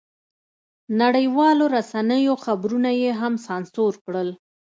نړیوالو رسنیو خبرونه یې هم سانسور کړل.